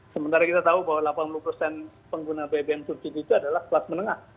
sementara kita tahu bahwa delapan puluh persen pengguna bbm subsidi itu adalah kelas menengah